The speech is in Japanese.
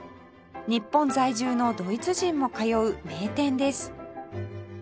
日本在住のドイツ人も通う名店です